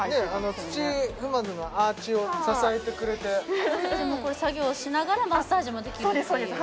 土踏まずのアーチを支えてくれてこれ作業しながらマッサージもできるというそうです